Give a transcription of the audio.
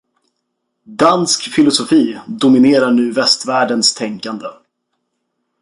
Dansk filosofi dominerar nu västvärldens tänkande